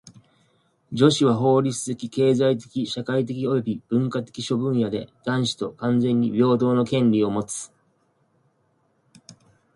女子は法律的・経済的・社会的および文化的諸分野で男子と完全に平等の権利をもつ。